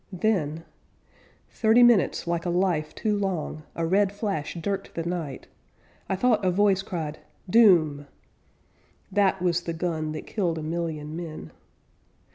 Then Thirty minutes like a life too long; A red flash dirked the night; I thought a voice cried, "DOOM"; That was the gun that killed a million men.